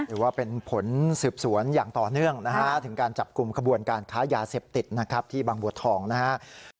ถือว่าเป็นผลสืบสวนอย่างต่อเนื่องนะฮะถึงการจับกลุ่มขบวนการค้ายาเสพติดนะครับที่บางบัวทองนะครับ